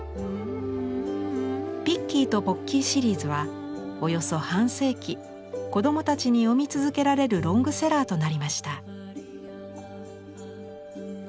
「ピッキーとポッキー」シリーズはおよそ半世紀子供たちに読み続けられるロングセラーとなりました。